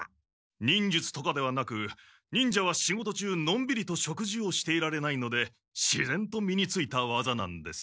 忍術とかではなく忍者は仕事中のんびりと食事をしていられないのでしぜんと身についたわざなんです。